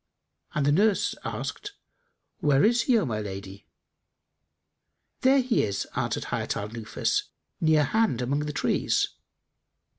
and the nurse asked, "Where is he, O my lady?" "There he is," answered Hayat al Nufus; "near hand, among the trees."